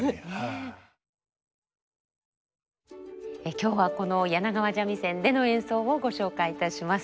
今日はこの柳川三味線での演奏をご紹介いたします。